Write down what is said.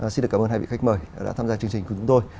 xin được cảm ơn hai vị khách mời đã tham gia chương trình cùng chúng tôi